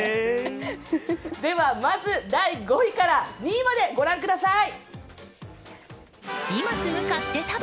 では、まず第５位から２位までご覧ください。